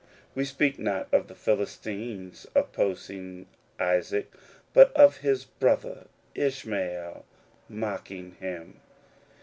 We speak not of the Philistines opposing Isaac, but of his brother Ishmael mocking him.